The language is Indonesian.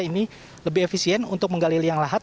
ini lebih efisien untuk menggali liang lahat